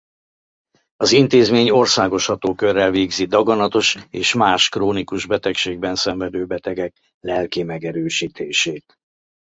Az intézmény országos hatókörrel végzi daganatos és más krónikus betegségben szenvedő betegek lelki megerősítését.